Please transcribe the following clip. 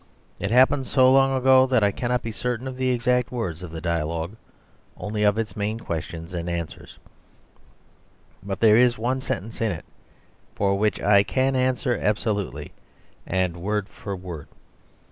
It happened so long ago that I cannot be certain of the exact words of the dialogue, only of its main questions and answers; but there is one sentence in it for which I can answer absolutely and word for word.